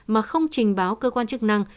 mà không trình báo cơ quan chức năng